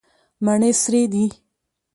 مڼې سرې دي.